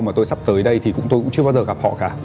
mà tôi sắp tới đây thì cũng tôi cũng chưa bao giờ gặp họ cả